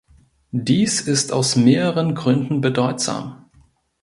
Dies ist aus mehreren Gründen bedeutsam.